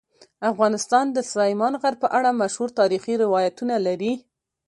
افغانستان د سلیمان غر په اړه مشهور تاریخی روایتونه لري.